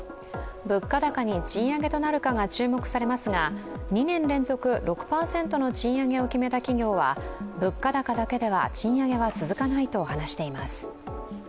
物価高に賃上げとなるかが注目されますが２年連続６％の賃上げを決めた企業は物価高だけでは賃上げは続かないと話しています。